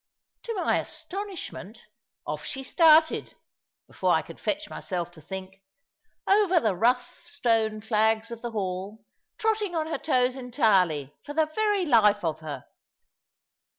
To my astonishment, off she started (before I could fetch myself to think) over the rough stone flags of the hall, trotting on her toes entirely, for the very life of her.